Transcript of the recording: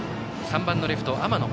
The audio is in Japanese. ３番レフト、天野。